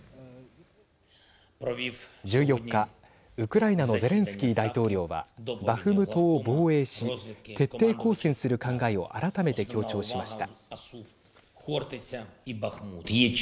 １４日、ウクライナのゼレンスキー大統領はバフムトを防衛し徹底抗戦する考えを改めて強調しました。